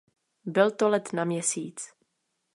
Byl to let na Měsíc.